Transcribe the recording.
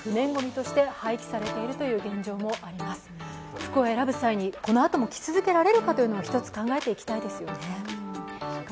服を選ぶ際にこのあとも着ていけるかどうか一つ考えていきたいですよね。